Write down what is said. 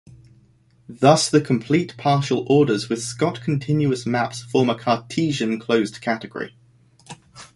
Thus the complete partial orders with Scott-continuous maps form a cartesian closed category.